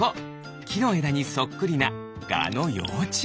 きのえだにそっくりなガのようちゅう。